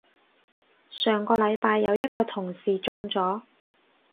上個禮拜有一個同事中咗